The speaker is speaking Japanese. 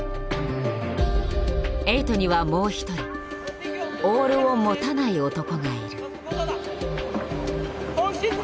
エイトにはもう一人「オールを持たない男」がいる。